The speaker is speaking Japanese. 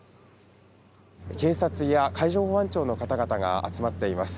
警察や海上保安庁の方々が集まっています。